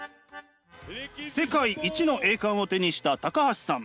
世界一の栄冠を手にした橋さん。